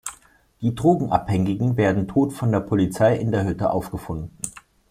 Die Drogenabhängigen werden tot von der Polizei in der Hütte aufgefunden.